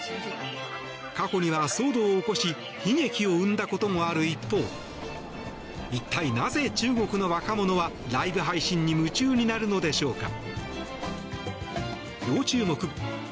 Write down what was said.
過去には騒動を起こし悲劇を生んだこともある一方一体なぜ中国の若者はライブ配信に夢中になるのでしょうか。